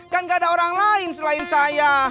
kan gak ada orang lain selain saya